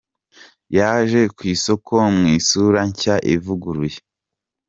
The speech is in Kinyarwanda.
Yaje ku isoko mu isura nshya ivuguruye.